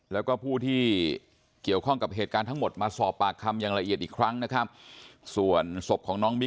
แล้วเขาก็กำมือเขาก็เกงมือแล้วเขาก็ชักตาค้างไป